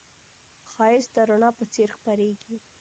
ښایست د رڼا په څېر خپرېږي